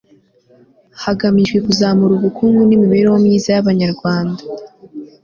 hagamijwe kuzamura ubukungu n'imibereho myiza y'abanyarwanda